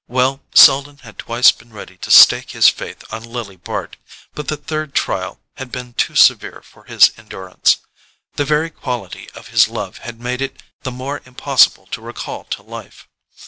Well—Selden had twice been ready to stake his faith on Lily Bart; but the third trial had been too severe for his endurance. The very quality of his love had made it the more impossible to recall to life.